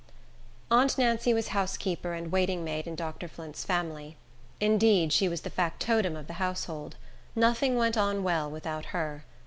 Aunt Nancy was housekeeper and waiting maid in Dr. Flint's family. Indeed, she was the factotum of the household. Nothing went on well without her.